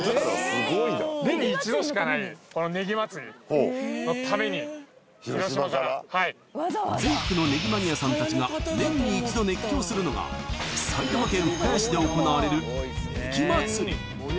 すごいな年に１度しかないねぎまつりのために広島からはい全国のねぎマニアさんたちが年に１度熱狂するのが埼玉県深谷市で行われるねぎまつり